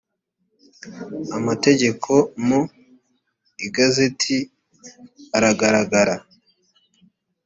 amategeko mu igazeti aragaragara